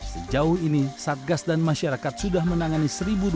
sejauh ini satgas dan masyarakat sudah menangani